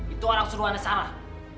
itu orang keseruannya sarah